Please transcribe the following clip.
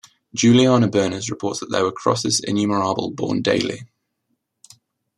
Juliana Berners reports that there were "Crossis innumerabull born dayli".